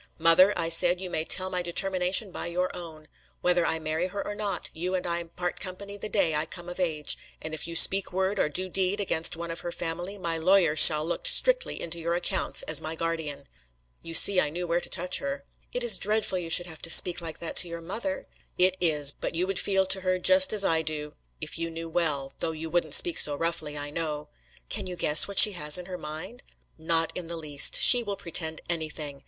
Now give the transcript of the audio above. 'Mother,' I said, 'you may tell my determination by your own! Whether I marry her or not, you and I part company the day I come of age; and if you speak word or do deed against one of her family, my lawyer shall look strictly into your accounts as my guardian.' You see I knew where to touch her!" "It is dreadful you should have to speak like that to your mother!" "It is; but you would feel to her just as I do if you knew all though you wouldn't speak so roughly, I know." "Can you guess what she has in her mind?" "Not in the least. She will pretend anything.